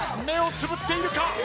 目をつぶっているか？